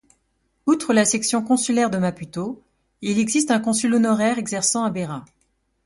Outre la section consulaire de Maputo, il existe un consul honoraire exerçant à Beira.